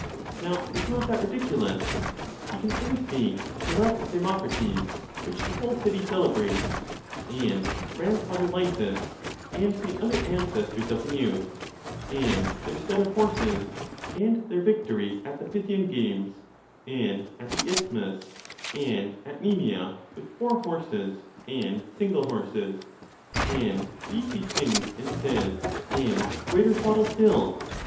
Now is not that ridiculous? He can only speak of the wealth of Democrates, which the whole city celebrates, and grandfather Lysis, and the other ancestors of the youth, and their stud of horses, and their victory at the Pythian games, and at the Isth mus, and at Nemea with four horses and single horses ; and these he sings and says, and greater twaddle still.